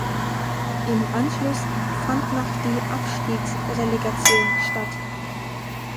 Im Anschluss fand noch die Abstiegsrelegation statt.